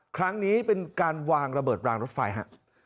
ครั้งนี้เป็นการวางระเบิดรางรถไฟฮะ